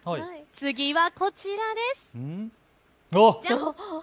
次はこちらです。